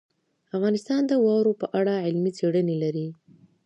افغانستان د واوره په اړه علمي څېړنې لري.